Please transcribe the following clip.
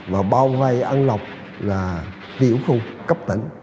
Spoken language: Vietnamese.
mà bao vai ăn lọc là tiểu khu cấp tỉnh